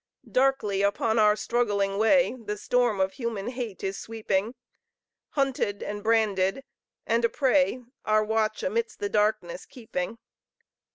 Darkly upon our struggling way The storm of human hate is sweeping; Hunted and branded, and a prey, Our watch amidst the darkness keeping!